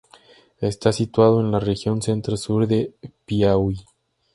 Está situado en la región centro-sur de Piauí.